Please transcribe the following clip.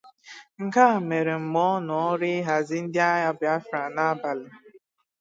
Nke a mere mgbe ọ nọ ọrụ ịhazi ndị agha Biafra n’abalị